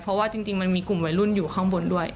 เพราะว่าจริงมันมีกลุ่มวัยรุ่นอยู่ข้างบนด้วย